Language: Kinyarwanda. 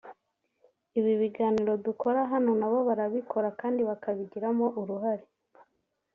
ibi biganiro dukora hano na bo barabikora kandi bakabigiramo uruhare